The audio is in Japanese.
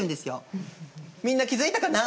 みんな気付いたかな？